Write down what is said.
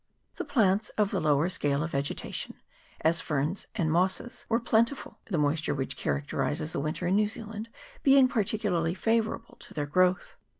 The plants of the lower scale of vegetation, as ferns and mosses, were plentiful the moisture which characterises the winter in New Zealand being particularly favourable to their growth.